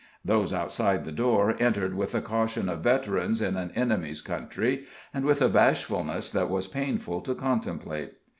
Those outside the door entered with the caution of veterans in an enemy's country, and with a bashfulness that was painful to contemplate.